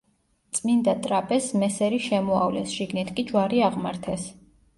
წმინდა ტრაპეზს მესერი შემოავლეს, შიგნით კი ჯვარი აღმართეს.